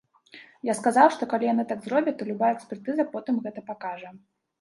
Я сказаў, што калі яны так зробяць, то любая экспертыза потым гэта пакажа.